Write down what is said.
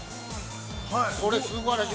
◆これ、すばらしい。